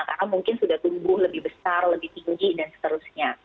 karena mungkin sudah tumbuh lebih besar lebih tinggi dan seterusnya